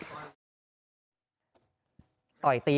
จิตใจของในก๊อฟนี่